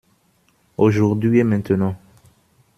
Aujourd’hui et maintenant.